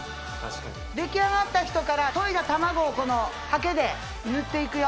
出来上がった人から溶いだ卵をこのはけで塗っていくよ